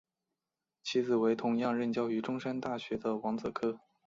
其子为同样任教于中山大学的王则柯。